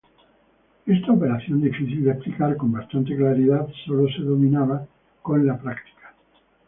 Esta operación, difícil de explicar con bastante claridad, sólo se dominaba con la práctica.